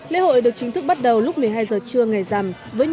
lễ hội được chính thức bắt đầu lúc một mươi hai giờ trưa ngày rằm